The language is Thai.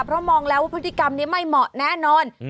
เพราะมองแล้วว่าพฤติกรรมนี้ไม่เหมาะแน่นอน